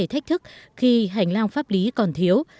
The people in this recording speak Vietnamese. vấn đề thách thức khi hành lang pháp lý còn thiếu